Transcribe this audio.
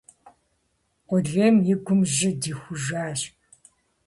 Къулейм и гум жьы дихужащ.